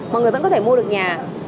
mọi người vẫn có thể mua được nhà